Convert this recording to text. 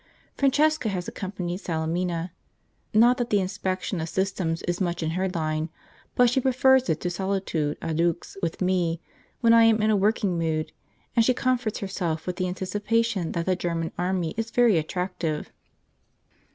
Francesca has accompanied Salemina. Not that the inspection of systems is much in her line, but she prefers it to a solitude a deux with me when I am in a working mood, and she comforts herself with the anticipation that the German army is very attractive.